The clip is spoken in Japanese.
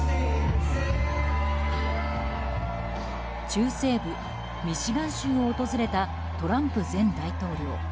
中西部ミシガン州を訪れたトランプ前大統領。